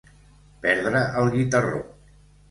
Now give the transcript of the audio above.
Perdre el guitarró.